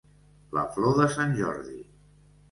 La flor de sant Jordi.